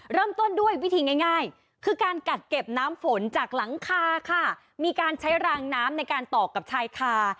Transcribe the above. เริ่มต้นด้วยวิธีง่ายคือการกักเก็บน้ำฝนจากหลังคาค่ะมีการใช้รางน้ำในการตอกกับชายคา